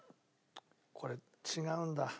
これ違うんだ。